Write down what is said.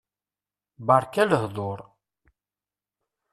Beṛka lehḍuṛ.